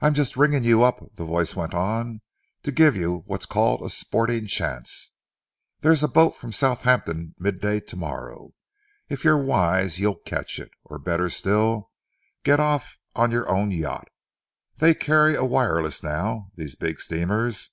"I am just ringing you up," the voice went on, "to give you what's called a sporting chance. There's a boat from Southampton midday tomorrow. If you're wise, you'll catch it. Or better still, get off on your own yacht. They carry a wireless now, these big steamers.